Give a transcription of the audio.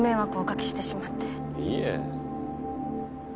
いえ。